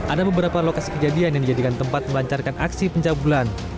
ada beberapa lokasi kejadian yang dijadikan tempat melancarkan aksi pencabulan